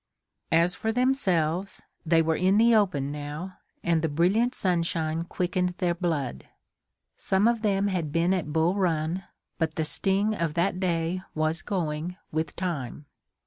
As for themselves, they were in the open now and the brilliant sunshine quickened their blood. Some of them had been at Bull Run, but the sting of that day was going with time.